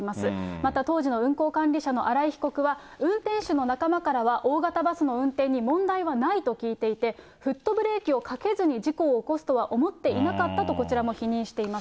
また当時の運行管理者の荒井被告は、運転手の仲間からは大型バスの運転に問題はないと聞いていて、フットブレーキをかけずに事故を起こすとは思っていなかったと、こちらも否認しています。